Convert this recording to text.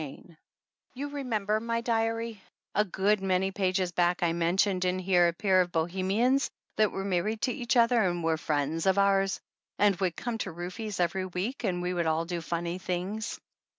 CHAPTER IV YOU remember, my diary, a good many pages back I mentioned in here a pair of Bohemians that were married to each other and were friends of ours and would come to Rufe's every week and we would all do funny things